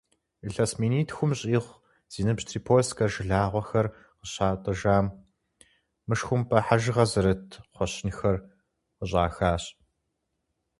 Илъэс минитхум щӏигъу зи ныбжь трипольскэ жылагъуэхэр къыщатӏыжам, мышхумпӏэ хьэжыгъэ зэрыт кхъуэщынхэр къыщӏахащ.